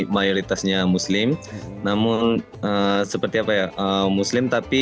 mayoritasnya muslim namun seperti apa ya muslim tapi